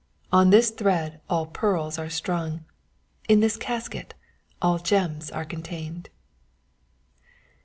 On this thread all pearls are strung : in this casket all gems are contained.